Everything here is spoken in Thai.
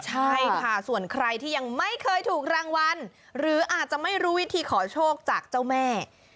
ใช่ค่ะส่วนใครที่ยังไม่เคยถูกรางวัลหรืออาจจะไม่รู้วิธีขอโชคจากเจ้าแม่